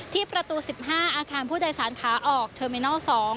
ที่ประตู๑๕อาคารผู้โดยสารขาออกเทอร์มินอล๒